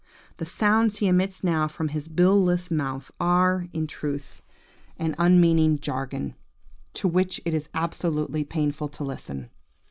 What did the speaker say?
The sounds he emits now from his bill less mouth are, in truth, an unmeaning jargon, to which it is absolutely painful to listen.